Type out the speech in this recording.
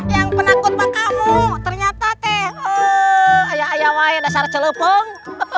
yang penakut pakao ternyata teh oh ayam ayam dasar celupung